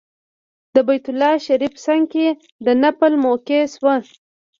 د بیت الله شریف څنګ کې د نفل موقع شوه.